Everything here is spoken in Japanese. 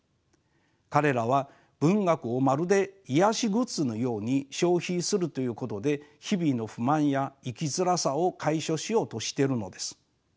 彼らは文学をまるで癒やしグッズのように消費するということで日々の不満や生きづらさを解消しようとしてるのです。